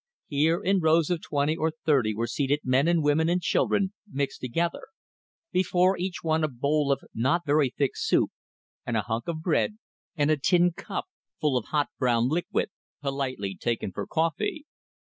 Here in rows of twenty or thirty were seated men and women and children, mixed together; before each one a bowl of not very thick soup, and a hunk of bread, and a tin cup full of hot brown liquid, politely taken for coffee.